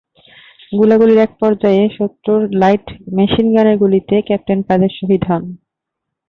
গোলাগুলির এক পর্যায়ে শত্রুর লাইট মেশিনগানের গুলিতে ক্যাপ্টেন কাদের শহীদ হন।